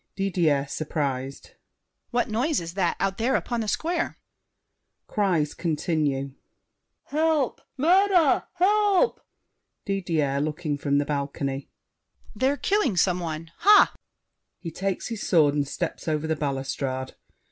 DIDIER (surprised). What noise is that out there upon the square? [Cries continue. VOICE IN THE STREET. Help! Murder! Help! DIDIER (looking from the balcony). They're killing some one! Ha! [He takes his sword and step's over the balustrade.